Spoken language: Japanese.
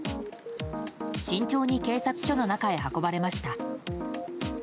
慎重に警察署の中へ運ばれました。